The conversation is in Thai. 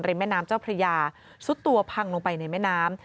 แม่น้ำเจ้าพระยาซุดตัวพังลงไปในแม่น้ำ